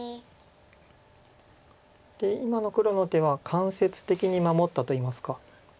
で今の黒の手は間接的に守ったといいますか。